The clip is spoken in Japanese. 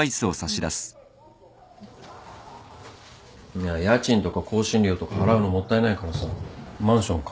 いや家賃とか更新料とか払うのもったいないからさマンション買うのもいいかなって。